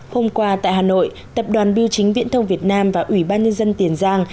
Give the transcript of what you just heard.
hôm qua tại hà nội tập đoàn biêu chính viễn thông việt nam và ủy ban nhân dân tiền giang